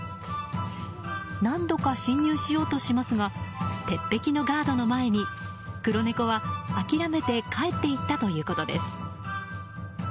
何度か侵入しようとしますが鉄壁のガードの前に黒猫は、諦めて帰って行ったということです。